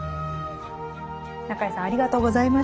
中江さんありがとうございました。